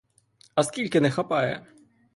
А скільки не хапає?